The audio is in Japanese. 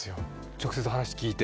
直接話を聞いて？